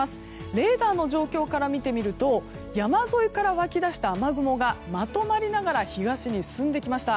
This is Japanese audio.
レーダーの状況から見てみると山沿いから湧き出した雨雲がまとまりながら東に進んできました。